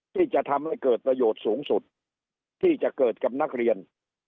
ที่จะทำให้เกิดประโยชน์สูงสุดที่จะเกิดกับนักเรียน